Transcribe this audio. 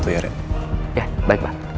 ya baik pak